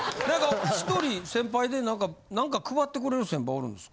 １人先輩で何か配ってくれる先輩おるんですか？